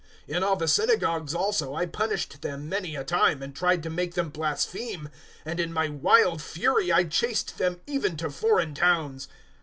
026:011 In all the synagogues also I punished them many a time, and tried to make them blaspheme; and in my wild fury I chased them even to foreign towns.